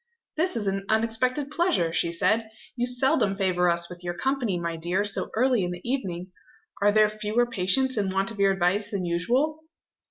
"This is an unexpected pleasure," she said. "You seldom favour us with your company, my dear, so early in the evening! Are there fewer patients in want of your advice than usual?"